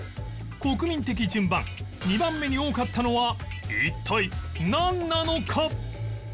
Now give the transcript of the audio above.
国民的順番２番目に多かったのは一体なんなのか？